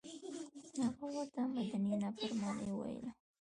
هغه ورته مدني نافرماني وویله.